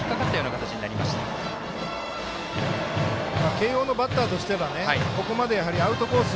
慶応のバッターとしてはここまでアウトコース